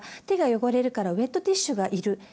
手が汚れるからウェットティッシュがいる。